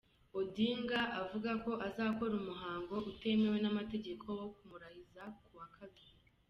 Odinga avuga ko azakora umuhango utemewe n'amategeko wo kumurahiza ku wa kabiri.